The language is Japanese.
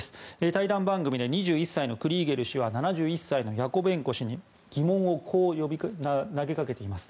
対談番組で２１歳のクリーゲル氏は７１歳のヤコベンコ氏に疑問をこう投げかけています。